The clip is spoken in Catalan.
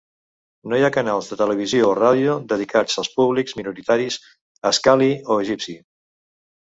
No hi ha canals de televisió o ràdio dedicats als públics minoritaris Askhali o egipci.